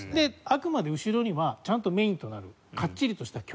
あくまで後ろにはちゃんとメインとなるかっちりとした曲がある。